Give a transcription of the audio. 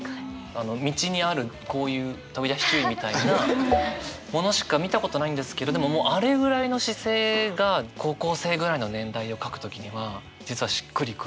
道にあるこういう飛び出し注意みたいなものしか見たことないんですけどでもあれぐらいの姿勢が高校生ぐらいの年代を書く時には実はしっくり来るぐらい。